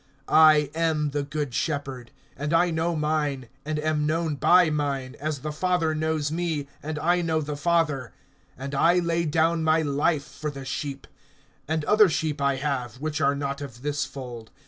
(14)I am the good shepherd; and I know mine, and am known by mine, (15)as the Father knows me, and I know the Father; and I lay down my life for the sheep. (16)And other sheep I have, which are not of this fold.